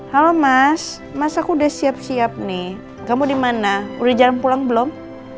halo mas mas aku udah siap siap nih kamu di mana udah jalan pulang belum